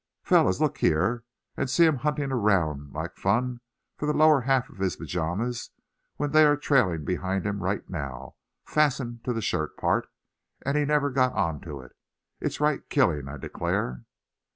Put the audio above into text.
fellows look here, and see him hunting around like fun for the lower half of his pajamas, when they are trailing behind him right now, fastened to the shirt part; and he never got on to it. It's right killing, I declare."